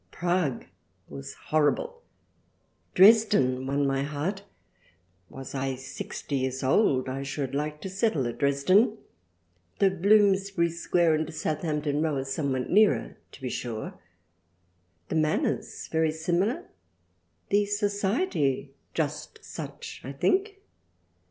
Prague was horrible, Dresden won my Heart, was I sixty years old I should like to settle at Dresden, though Bloomsbury Square and Southampton Row are somewhat nearer to be sure, the Manners very similar, the Society just such I think.